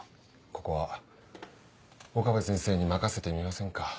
ここは岡部先生に任せてみませんか。